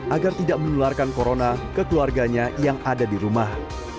agar tidak menularkan corona ke keluarganya yang ada di rumah